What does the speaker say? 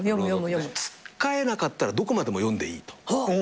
つっかえなかったらどこまでも読んでいいと。